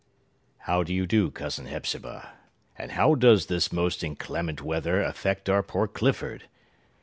"How do you do, Cousin Hepzibah?—and how does this most inclement weather affect our poor Clifford?"